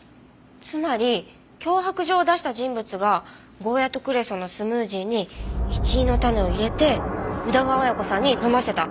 つまり脅迫状を出した人物がゴーヤとクレソンのスムージーにイチイの種を入れて宇田川綾子さんに飲ませた。